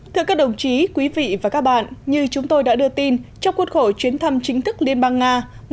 thưa các đồng chí quý vị và các bạn như chúng tôi đã đưa tin trong cuốn khổ chuyến thăm chính thức liên bang nga